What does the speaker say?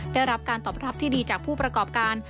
ได้รับการตอบรับที่ดีจากผู้ประกอบการ